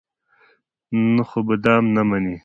ته خو به دام نه منې.